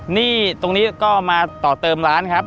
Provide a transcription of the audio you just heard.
หนี้ตรงนี้ก็มาต่อเติมร้านครับ